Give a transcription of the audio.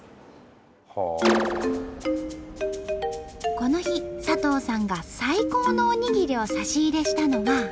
この日佐藤さんが最高のおにぎりを差し入れしたのが。